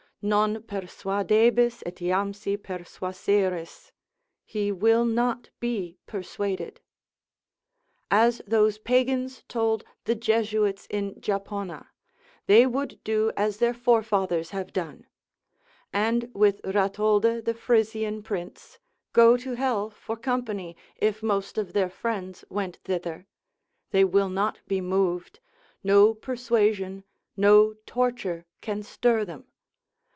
Non persuadebis etiamsi persuaseris, he will not be persuaded. As those pagans told the Jesuits in Japona, they would do as their forefathers have done: and with Ratholde the Frisian Prince, go to hell for company, if most of their friends went thither: they will not be moved, no persuasion, no torture can stir them.